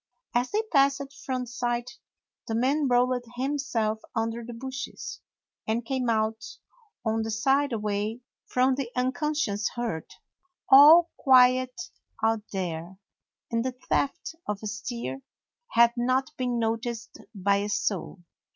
As they passed from sight the man rolled himself under the bushes, and came out on the side away from the un 101 DOG HEROES OF MANY LANDS conscious herd. All quiet out there, and the theft of a steer had not been noticed by a soul.